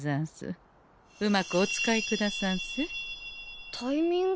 うまくお使いくださんせ。タイミング？